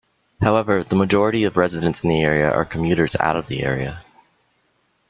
However, the majority of residents in the area are commuters out of the area.